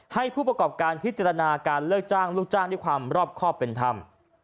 ให้ผู้ประกอบการพิจารณาการเลิกจ้างลูกจ้างด้วยความรอบครอบเป็นธรรม